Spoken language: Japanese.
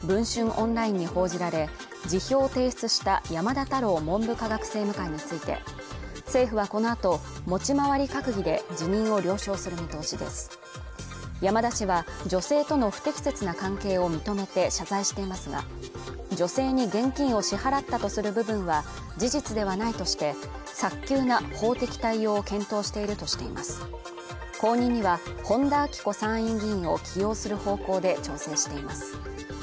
オンラインに報じられ辞表を提出した山田太郎文部科学政務官について政府はこのあと持ち回り閣議で辞任を了承する見通しです山田氏は女性との不適切な関係を認めて謝罪していますが女性に現金を支払ったとする部分は事実ではないとして早急な法的対応を検討しているとしています後任には本田顕子参院議員を起用する方向で調整しています